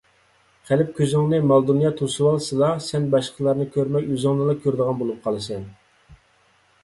قەلب كۆزۈڭنى مال-دۇنيا توسۇۋالسىلا، سەن باشقىلارنى كۆرمەي ئۆزۈڭنىلا كۆرىدىغان بولۇپ قالىسەن.